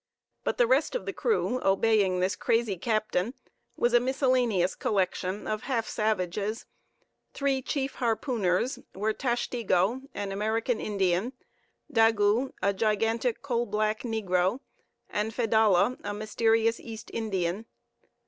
But the rest of the crew obeying this crazy captain was a miscellaneous collection of half savages. Three chief harpooners were Tashtego, an American Indian, Daggoo, a gigantic coal black negro, and Fedallah, a mysterious East Indian.